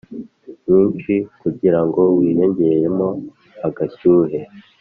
nyinshi kugira ngo wiyongeremo agashyuhe